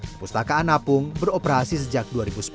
perpustakaan apung beroperasi sejak dua ribu sepuluh